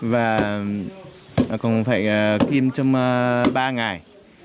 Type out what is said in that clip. và còn phải kim trong ba ngày